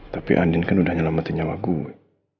tapi andin kan udah nyelamatin nyawa gue